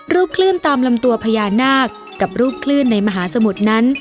คลื่นตามลำตัวพญานาคกับรูปคลื่นในมหาสมุทรนั้น